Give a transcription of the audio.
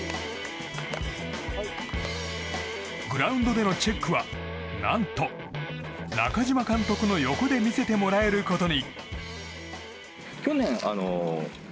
グラウンドでのチェックは何と、中嶋監督の横で見せてもらえることに。